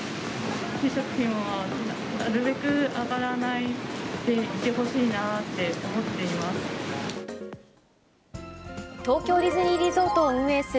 給食費もなるべく上がらないでいてほしいなって思っています。